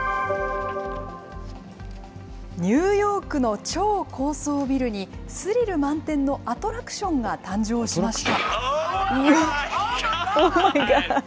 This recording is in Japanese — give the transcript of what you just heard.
ニューヨークの超高層ビルに、スリル満点のアトラクションが誕生しました。